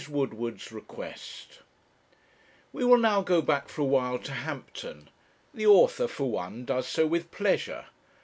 WOODWARD'S REQUEST We will now go back for a while to Hampton. The author, for one, does so with pleasure.